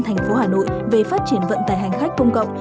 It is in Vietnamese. thành phố hà nội về phát triển vận tải hành khách công cộng